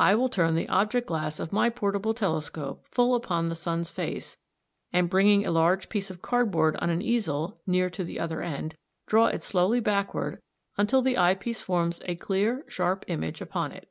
I will turn the object glass of my portable telescope full upon the sun's face, and bringing a large piece of cardboard on an easel near to the other end, draw it slowly backward till the eye piece forms a clear sharp image upon it (see Fig.